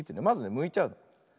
まずねむいちゃうの。